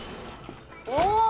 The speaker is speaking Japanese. お！